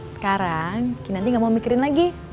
sekarang saya gak mau mikirkan lagi